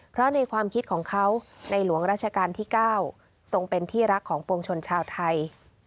เพราะในความคิดของเขาในหลวงราชการที่๙ทรงเป็นที่รักของปวงชนชาวไทย